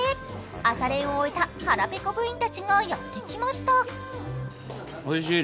朝練を終えた腹ペコ部員たちがやってきました。